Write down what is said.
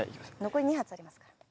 残り２発ありますから。